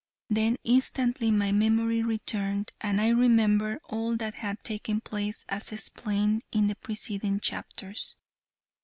Then instantly my memory returned, and I remembered all that had taken place, as explained in the preceding chapters.